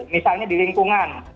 misalnya di lingkungan